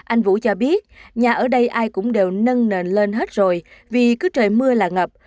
anh vũ cho biết nhà ở đây ai cũng đều nâng nền lên hết rồi vì cứ trời mưa là ngập